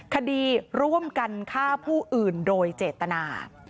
คดีร่วมกันฆ่าผู้อื่นโดยเจตนา